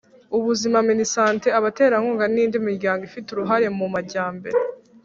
ubuzima minisante abaterankunga n'indi miryango ifite uruhare mu majyambere